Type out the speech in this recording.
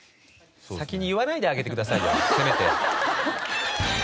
先に言わないであげてくださいよせめて。